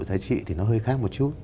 giá trị thì nó hơi khác một chút